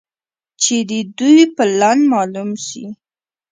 چې د دوى پلان مالوم سي.